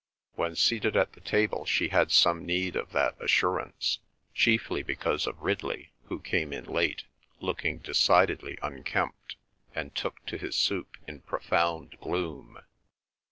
When seated at the table she had some need of that assurance, chiefly because of Ridley, who came in late, looked decidedly unkempt, and took to his soup in profound gloom.